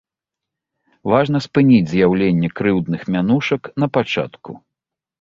Важна спыніць з'яўленне крыўдных мянушак напачатку.